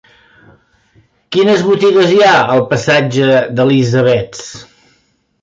Quines botigues hi ha al passatge d'Elisabets?